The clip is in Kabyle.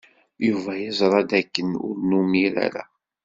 Yuba yeẓra dakken ur numir ara.